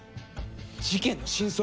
事件の真相